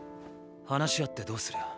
話し合ってどうする？